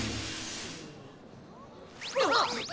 あっ！